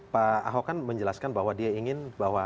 pak aho kan menjelaskan bahwa dia ingin